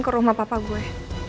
ke rumah papa gue